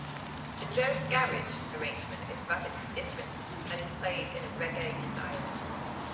The "Joe's Garage" arrangement is radically different, and is played in a reggae style.